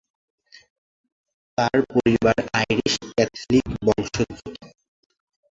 তার পরিবার আইরিশ-ক্যাথলিক বংশোদ্ভূত।